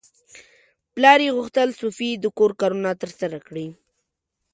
پلار یې غوښتل سوفي د کور کارونه ترسره کړي.